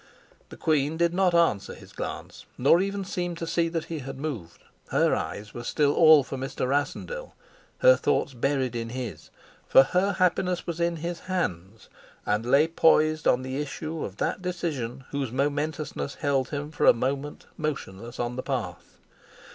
The queen did not answer his glance, nor even seem to see that he had moved. Her eyes were still all for Mr. Rassendyll, her thoughts buried in his; for her happiness was in his hands and lay poised on the issue of that decision whose momentousness held him for a moment motionless on the path.